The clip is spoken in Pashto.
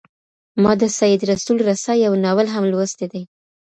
ما د سید رسول رسا یو ناول هم لوستی دی.